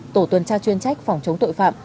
tổ tuần tra chuyên trách phòng chống tội phạm